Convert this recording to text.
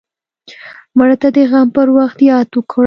مړه ته د غم پر وخت یاد وکړه